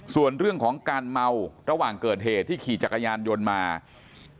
ส่วนเรื่องของการเมาระหว่างเกิดเหตุที่ขี่จักรยานยนต์มา